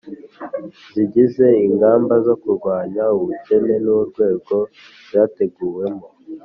zigize ingamba zo kurwanya ubukene n'urwego zateguwemo